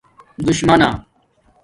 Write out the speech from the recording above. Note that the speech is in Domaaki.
دُشمݳنہ